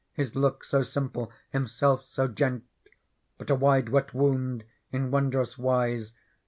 His looks so simple. Himself so gent ; But a wide wet wound in wondrous wise.